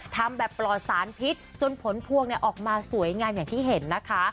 ทำแบบปลอดสารพิษจนผลพวงออกมาสวยงามอย่างที่เห็นนะคะ